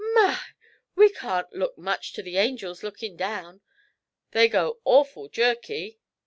My! we can't look much to the angels lookin' down. They go awful jerky.'